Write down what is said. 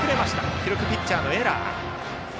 記録、ピッチャーのエラー。